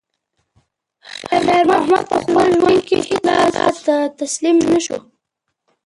خیر محمد په خپل ژوند کې هیڅکله تسلیم نه شو.